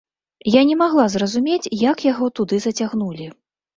Я не магла зразумець, як яго туды зацягнулі.